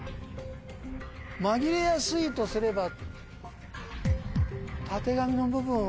紛れやすいとすれば。